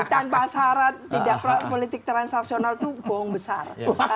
tanpa syarat tidak politik transaksional itu bohong besar